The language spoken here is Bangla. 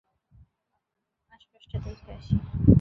আশপাশটা দেখে আসি।